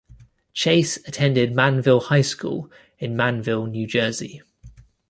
Chase attended Manville High School in Manville, New Jersey.